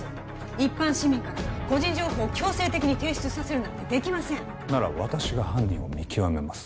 一般市民から個人情報を強制的に提出させるなんてできませんなら私が犯人を見極めます